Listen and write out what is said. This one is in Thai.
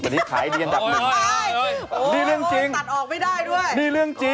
วันนี้ขายดีกันแบบนึง